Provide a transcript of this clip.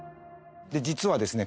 実はですね